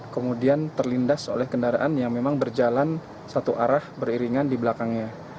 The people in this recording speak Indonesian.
kemudian terlindas oleh kendaraan yang memang berjalan satu arah beriringan di belakangnya